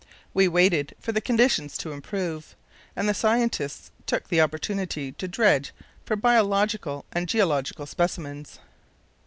We waited for the conditions to improve, and the scientists took the opportunity to dredge for biological and geological specimens.